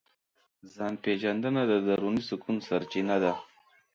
ځان پېژندنه د دروني سکون سرچینه ده.